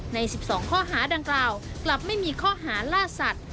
ใน๑๒ข้อหาดังกล่าวกลับไม่มีข้อหาล่าสัตว์